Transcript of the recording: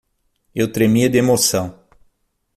Eu tremia de emoção